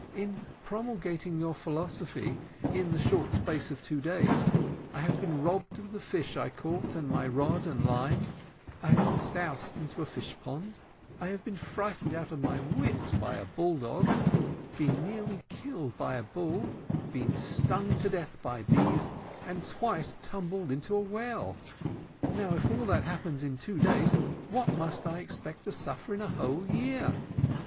In promulgating your philosophy, in the short space of two days, I have been robbed of the fish I caught, and my rod and line I have been soused into a fish pond I have been frightened out of my wits by a bull dog been nearly killed by a bull been stung to death by bees, and twice tumbled into a well. Now, if all that happens in two days, what must I expect to suffer in a whole year?